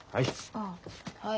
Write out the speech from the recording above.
はい。